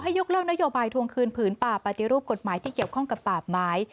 ยกเลิกนโยบายทวงคืนผืนป่าปฏิรูปกฎหมายที่เกี่ยวข้องกับป่าไม้